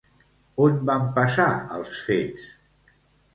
On van passar els fets?